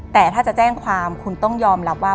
แต่ถ้าจะแจ้งความคุณต้องยอมรับว่า